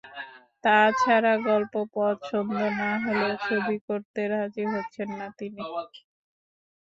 তা ছাড়া গল্প পছন্দ না হলেও ছবি করতে রাজি হচ্ছেন না তিনি।